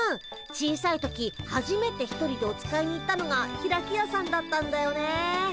小さい時はじめて一人でお使いに行ったのがひらきやさんだったんだよね。